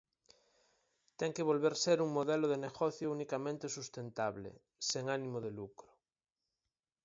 Ten que volver ser un modelo de negocio unicamente sustentable, sen ánimo de lucro.